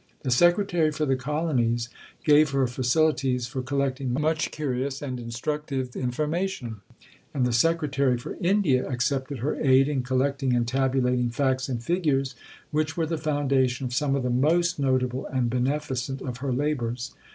The Secretary for the Colonies gave her facilities for collecting much curious and instructive information; and the Secretary for India accepted her aid in collecting and tabulating facts and figures which were the foundation of some of the most notable and beneficent of her labours.